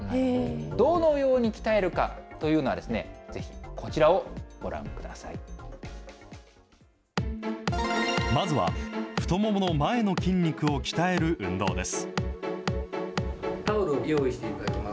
どのように鍛えるかというのは、まずは太ももの前の筋肉を鍛える運動です。